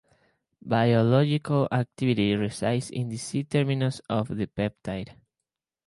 Biological activity resides in the C-terminus of the peptide.